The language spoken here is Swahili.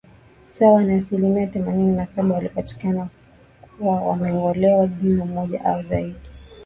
sawa na asilimia themanini na saba walipatikana kuwa wamengolewa jino moja au zaidi